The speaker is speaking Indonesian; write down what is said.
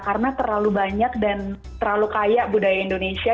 karena terlalu banyak dan terlalu kaya budaya indonesia